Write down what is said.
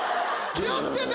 気を付けて！